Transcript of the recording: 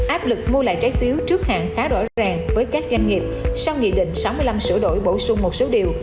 áp lực mua lại trái phiếu trước hạn khá rõ ràng với các doanh nghiệp sau nghị định sáu mươi năm sửa đổi bổ sung một số điều